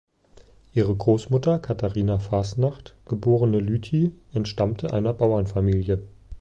Ihre Grossmutter Katharina Fasnacht geborene Lüthi entstammte einer Bauernfamilie.